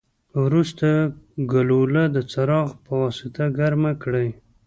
وروسته ګلوله د څراغ پواسطه ګرمه کړئ.